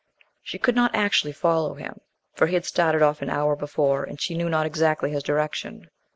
She could not actually follow him, for he had started off an hour before and she knew not exactly his direction.